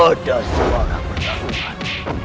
ada suara pertarungan